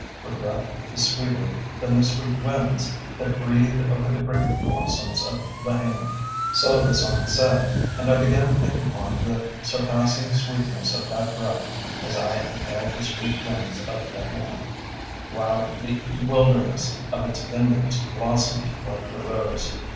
"Her breath is sweeter than the sweet winds That breathe over the grape blossoms of Lahaina." So the song said; and I began to think upon the surpassing sweetness of that breath, as I inhaled the sweet winds of Lahaina, while the wilderness of its vineyards blossomed like the rose.